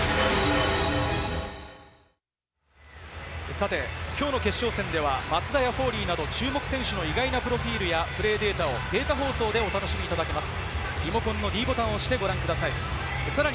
さて、きょうの決勝戦では松田やフォーリーなど、注目選手の意外なプロフィルや、プレーデータをデータ放送でお楽しみいただけます。